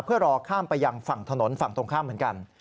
เพื่อรอข้ามไปยังฝั่งถนนฝั่งตรงข้ามเหมือนกัน